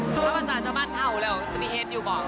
ถ้าว่าสาธารณะบ้านเท่าแล้วจะมีเหตุอยู่บ้าง